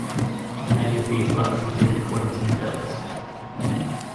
Many of these works include coins and bills.